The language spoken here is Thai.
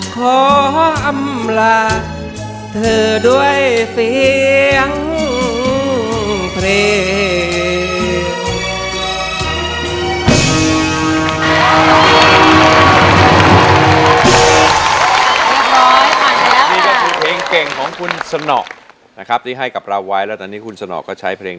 ขออำลาเธอด้วยเสียงเพลง